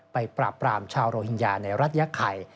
ปราบปรามชาวโรฮิงญาในรัฐยะไข่